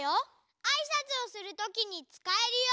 あいさつをするときにつかえるよ！